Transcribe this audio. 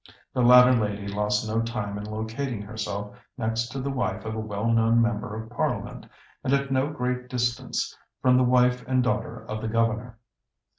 The latter lady lost no time in locating herself next to the wife of a well known member of Parliament, and at no great distance from the wife and daughter of the Governor.